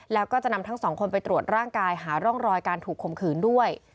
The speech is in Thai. แล้วก็จะนำทั้งสองคนไปตรวจร่างกายหาร่องรอยการถูกข่มขืนด้วย